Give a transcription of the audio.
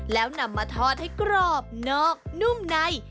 แล้วนำมาทอดให้กรอบนอกนุ่มใน